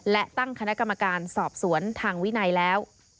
และตั้งคณะกรรมการสอบสวนทางวินัยแล้ว